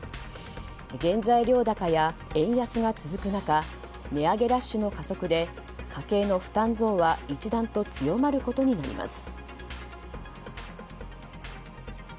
原材料高や円安が続く中値上げラッシュの加速で家計の負担増は一段と強まることになります。